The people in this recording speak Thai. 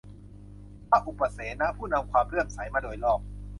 พระอุปเสนะ ผู้นำความเลื่อมใสมาโดยรอบ